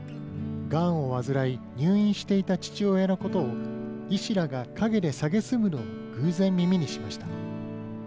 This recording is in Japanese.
がんを患い入院していた父親のことを医師らが陰でさげすむのを偶然、耳にしました。